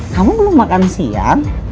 kamu belum makan siang